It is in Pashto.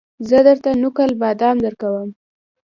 زه درته نقل بادام درکوم